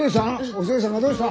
お寿恵さんがどうした？